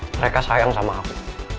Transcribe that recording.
mereka sayang sama aku